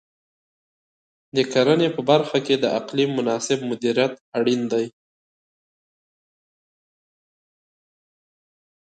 د کرنې په برخه کې د اقلیم مناسب مدیریت اړین دی.